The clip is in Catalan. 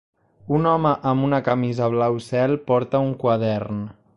Un home amb una camisa blau cel porta un quadern.